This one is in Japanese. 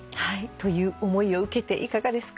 という思いを受けていかがですか？